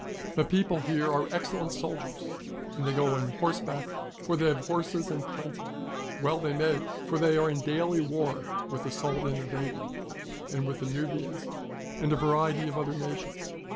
The people here are excellent soldiers, and they go on horseback, for they have horses in plenty. Well they may ; for they are in daily war with the Soldan of Aden, and with the Nubians, and a variety of other nations.